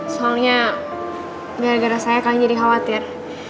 soalnya gara gara saya kan jadi khawatir